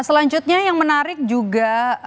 selanjutnya yang menarik juga